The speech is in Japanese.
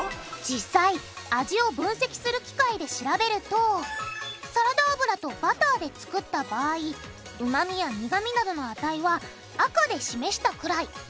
実際味を分析する機械で調べるとサラダ油とバターで作った場合旨味や苦味などの値は赤で示したくらい。